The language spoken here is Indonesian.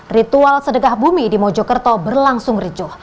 ritual sedekah bumi di mojokerto berlangsung ricuh